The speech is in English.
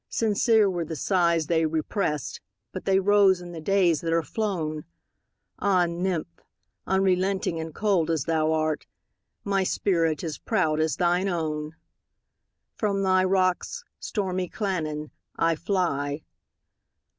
Sincere were the sighs they represt, But they rose in the days that are flown! Ah, nymph! unrelenting and cold as thou art, My spirit is proud as thine own! From thy rocks, stormy Llannon, I fly.